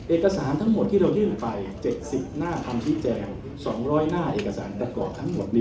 เอกสารทั้งหมดที่เรายื่นไป๗๐หน้าคำที่แจง๒๐๐หน้าเอกสารประกอบทั้งหมดนี้